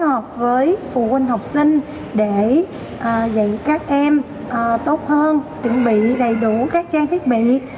hợp với phụ huynh học sinh để dạy các em tốt hơn chuẩn bị đầy đủ các trang thiết bị